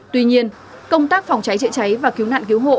tuy nhiên công tác phòng cháy chữa cháy và cứu nạn cứu hộ